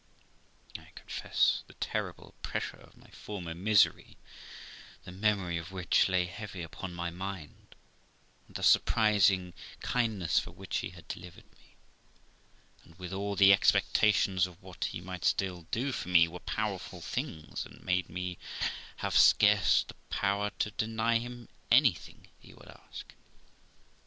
I confess the terrible pressure of my former misery, the memory of which lay heavy upon my mind, and the surprising kindness with which he had delivered me, and, withal, the expectations of what he might still do for me, were powerful things, and made me have scarce the power to deny him anything he would ask.